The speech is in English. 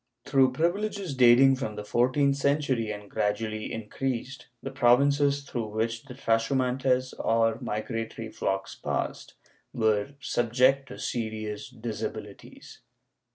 Through privileges dating from the fourteenth century and gradually increased, the provinces, through which the trashu iimntcs or migratory flocks passed, were subjected to serious disabilities.